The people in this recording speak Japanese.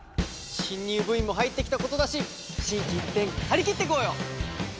新入部員も入ってきたことだし心機一転張り切ってこうよ！